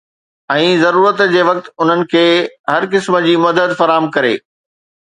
۽ ضرورت جي وقت انهن کي هر قسم جي مدد فراهم ڪري.